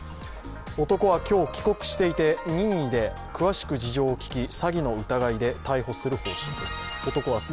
男は今日帰国していて任意で詳しく事情を聴き詐欺の疑いで逮捕する方針です。